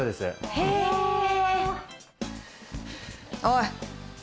おい！